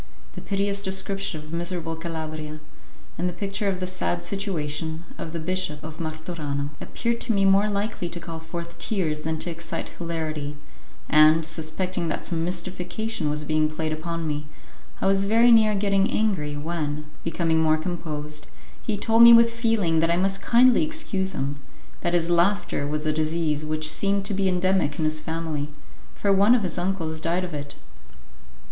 The piteous description of miserable Calabria, and the picture of the sad situation of the Bishop of Martorano, appeared to me more likely to call forth tears than to excite hilarity, and, suspecting that some mystification was being played upon me, I was very near getting angry when, becoming more composed, he told me with feeling that I must kindly excuse him; that his laughter was a disease which seemed to be endemic in his family, for one of his uncles died of it.